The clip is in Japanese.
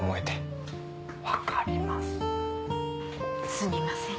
すみません。